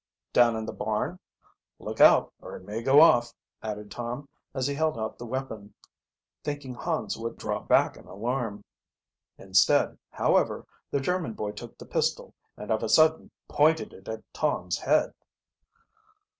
"Down in the barn. Look out, or it may go off," added Tom, as he held out the weapons, thinking Hans would draw back in alarm. Instead, however, the German boy took the pistol and of a sudden pointed it at Tom's head.